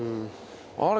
「あれ？